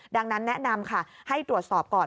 ดังนั้นแนะนำค่ะให้ตรวจสอบก่อน